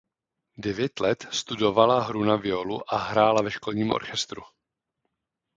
Devět let studovala hru na violu a hrála ve školním orchestru.